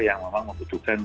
yang memang membutuhkan